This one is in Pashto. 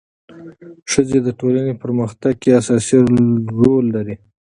ښځې د ټولنې په پرمختګ کې اساسي رول لري.